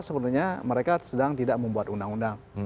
sebenarnya mereka sedang tidak membuat undang undang